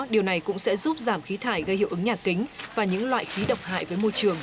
điều này cũng sẽ giúp giảm khí thải gây hiệu ứng nhà kính và những loại khí độc hại với môi trường